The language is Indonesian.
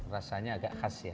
rasanya agak khas ya